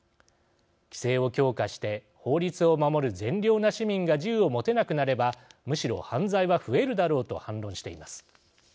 規制を強化して法律を守る善良な市民が銃を持てなくなればむしろ犯罪は増えるだろうと反論しています。